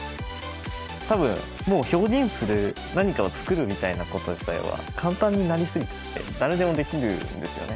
多分もう表現する何かを作るみたいなこと自体は簡単になり過ぎちゃって誰でもできるんですよね